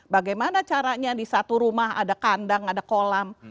bagaimana caranya di satu rumah ada kandang ada kolam